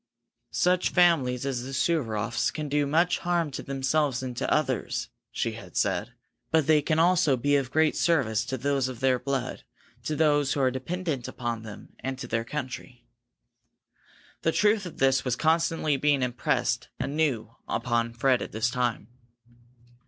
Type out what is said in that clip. "Such families as the Suvaroffs can do much harm to themselves and to others," she had said. "But they can also be of great service to those of their blood, to those who are dependent upon them, and to their country." The truth of this was constantly being impressed anew upon Fred at this time.